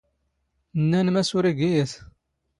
ⵏⵏⴰⵏ ⵎⴰⵙ ⵓⵔ ⵉⴳⵉ ⵢⴰⵜ.